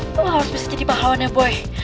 kamu harus bisa jadi pahawannya boy